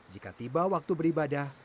jika tiba waktu beribadah